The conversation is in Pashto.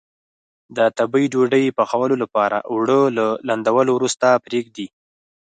د تبۍ ډوډۍ پخولو لپاره اوړه له لندولو وروسته پرېږدي.